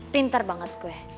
tintar banget gue